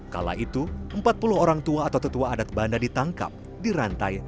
kala itu empat puluh orang tua atau tetua adat banda ditangkap di rantai